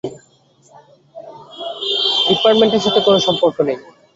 ডিপার্টমেন্টের সাথে কোনো সম্পর্ক নেই।